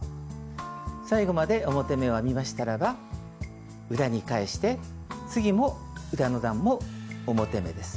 最後まで表目を編みましたらば裏に返して次も裏の段も表目です。